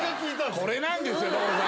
これなんですよ所さん。